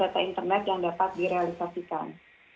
jadi kota data internet yang dapat direalisasikan